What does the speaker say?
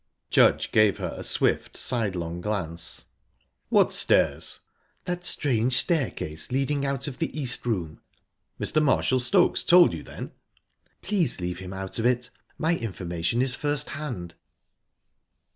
Judge gave her a swift sidelong glance. "What stairs?" "That strange staircase leading out of the East Room." "Mr. Marshall Stokes told you, then?" "Please leave him out of it. My information is first hand."